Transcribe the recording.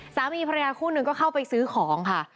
สามีภรรยาคู่หนึ่งก็เข้าไปซื้อของค่ะ